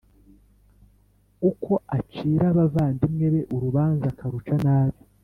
uko acira abavandimwe be urubanza akaruca nabi